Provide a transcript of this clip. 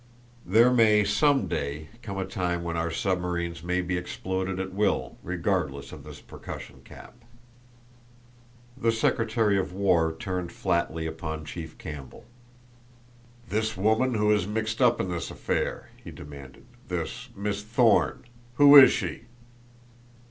There may, some day, come a time when our submarines may be exploded at will regardless of this percussion cap." The secretary of war turned flatly upon Chief Campbell. "This woman who is mixed up in this affair?" he demanded. "This Miss Thorne. Who is she?"